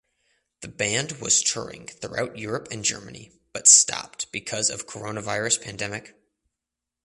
The band was touring throughout Europe and Germany but stopped because of coronavirus pandemic.